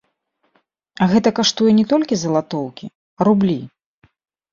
А гэта каштуе не толькі залатоўкі, а рублі.